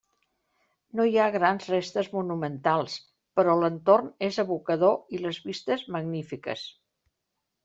No hi ha grans restes monumentals, però l'entorn és evocador i les vistes magnífiques.